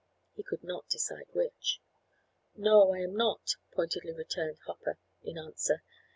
He could not decide which. "No, I am not," pointedly returned Hopper, in answer.